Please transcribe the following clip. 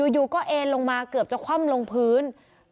อยู่ก็เอ็นลงมาเกือบจะคว่ำลงพื้น